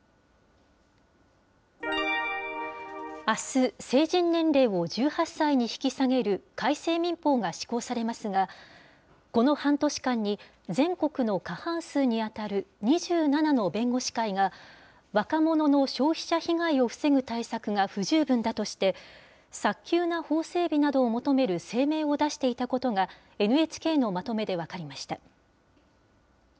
あす、成人年齢を１８歳に引き下げる改正民法が施行されますが、この半年間に、全国の過半数に当たる２７の弁護士会が、若者の消費者被害を防ぐ対策が不十分だとして、早急な法整備などを求める声明を出していたことが、ＮＨＫのまとめで分かりました。